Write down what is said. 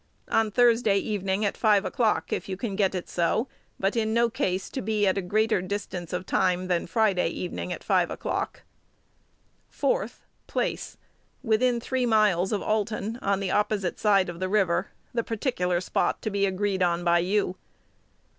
On Thursday evening at 5 o'clock, if you can get it so; but in no case to be at a greater distance of time than Friday evening at 5 o'clock. 4th, Place. Within three miles of Alton, on the opposite side of the river, the particular spot to be agreed on by you.